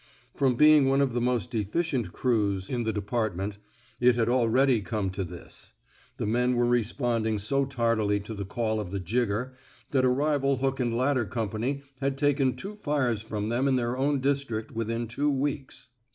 From being one of the most efficient crews. 248 A PERSONALLY CONDUCTED REVOLT in the department, it had already come to this: the men were responding so tardily to the call of the jigger that a rival hook and ladder company had taken two fires from them in their own district within two weeks.